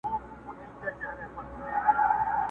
اور د میني بل نه وي بورا نه وي!.